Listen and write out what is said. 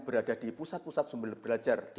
berada di pusat pusat sumber belajar di